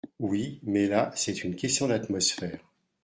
Oui, mais là, c’est une question d’atmosphère